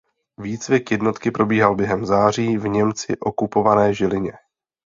Výcvik jednotky probíhal během září v Němci okupované Žilině.